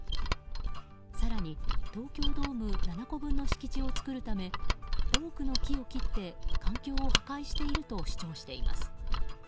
更に、東京ドーム７個分の敷地を造るため多くの木を切って環境を破壊していると主張しています。